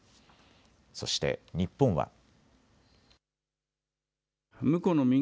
そして、日本は。